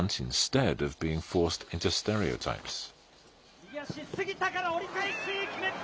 右足、すぎたから折り返し、決めた！